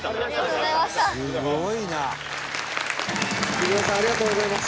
木村さんありがとうございます。